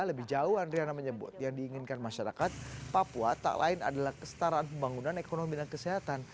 lebih jauh andriana menyebut yang diinginkan masyarakat papua tak lain adalah kestaraan pembangunan ekonomi dan kesehatan